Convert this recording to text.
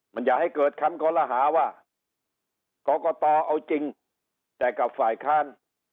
มันอย่าให้เกิดคำคอลหาว่ากรกตเอาจริงแต่กับฝ่ายค้าน